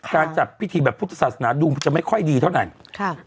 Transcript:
การจัดพิธีแบบพุทธศาสนาดูมันจะไม่ค่อยดีเท่าไหร่